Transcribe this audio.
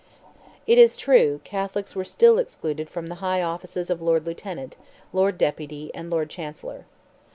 It is true, Catholics were still excluded from the high offices of Lord Lieutenant, Lord Deputy, and Lord Chancellor.